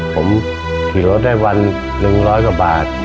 ผมขี่รถได้วัน๑๐๐กว่าบาท